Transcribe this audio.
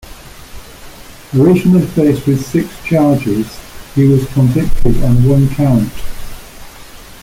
Originally faced with six charges, he was convicted on one count.